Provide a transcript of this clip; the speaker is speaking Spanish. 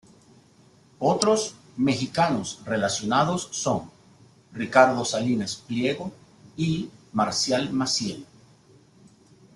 Otros mexicanos relacionados son: Ricardo Salinas Pliego y Marcial Maciel.